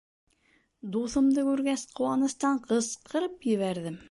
Дуҫымды күргәс, ҡыуаныстан ҡысҡырып ебәрҙем: